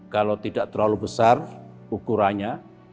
kalau tidak terlalu besar ukurannya